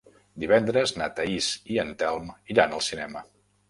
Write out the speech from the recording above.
Divendres na Thaís i en Telm iran al cinema.